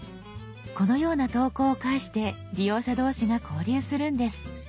このような投稿を介して利用者同士が交流するんです。